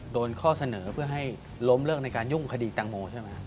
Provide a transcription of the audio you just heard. โดนข้อเสนอเพื่อให้ล้มเลิกในการยุ่งคดีแตงโมใช่ไหมครับ